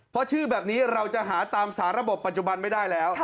เพราะชื่อแบบนี้เราจะหาตามสาระบบปัจจุบันไม่ได้แล้ว